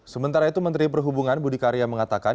sementara itu menteri perhubungan budi karya mengatakan